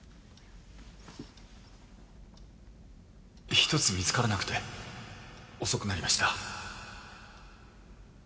１つ見つからなくて遅くなりました。